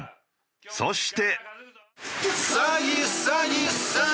そして。